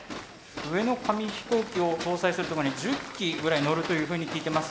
上の紙飛行機を搭載するとこに１０機ぐらいのるというふうに聞いてます。